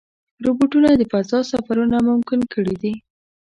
روبوټونه د فضا سفرونه ممکن کړي دي.